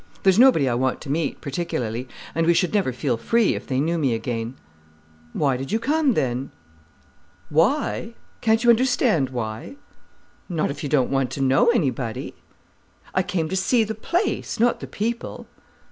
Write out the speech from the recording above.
There's nobody I want to meet, particularly, and we should never feel free if they knew me again." "Why did you come, then?" "'Why?' Can't you understand why?" "Not if you don't want to know anybody." "I came to see the place, not the people."